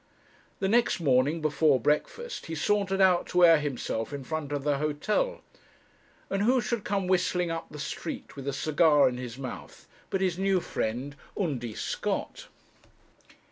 The next morning before breakfast he sauntered out to air himself in front of the hotel, and who should come whistling up the street, with a cigar in his mouth, but his new friend Undy Scott.